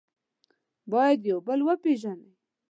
باید یو بل وپېژنئ.